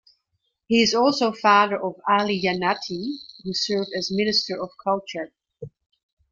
He is also father of Ali Jannati, who served as Minister of Culture.